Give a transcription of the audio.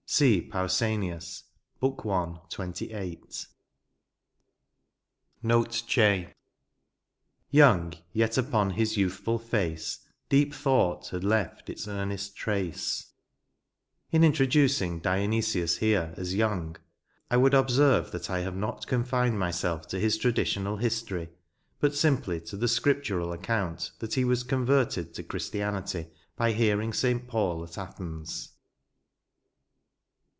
— fSee Paueanias^ book I. 28.J NOTB J. '* Yoiung^ yet upon hie youtJtfulfaee Deep thought had left its eamett trace" « In introducing Dionysius here, as young, I would observe that I have not confined myself to his traditional history, but simply to the scriptural account that he was converted to Christianity by hearing St. Paul at Athens.